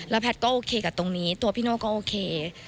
แพทย์ก็โอเคกับตรงนี้ตัวพี่โน่ก็โอเค